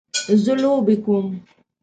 زه لوبې کوم